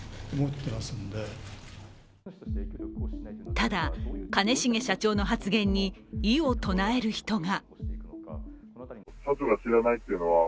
ただ、兼重社長の発言に異を唱える人が。